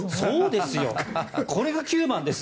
これが９番です。